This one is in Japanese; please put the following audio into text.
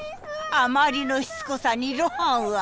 あまりのしつこさに露伴は。